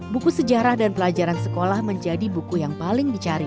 buku sejarah dan pelajaran sekolah menjadi buku yang paling dicari